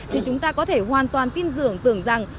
thì chúng ta có thể hoàn toàn tin tưởng rằng